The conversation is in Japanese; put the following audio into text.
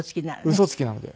ウソつきなので。